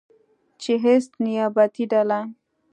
چې هیڅ نیابتي ډله